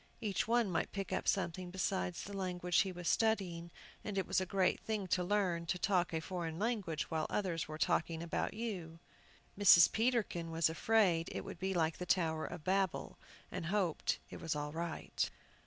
Each one might pick up something beside the language he was studying, and it was a great thing to learn to talk a foreign language while others were talking about you. Mrs. Peterkin was afraid it would be like the Tower of Babel, and hoped it was all right.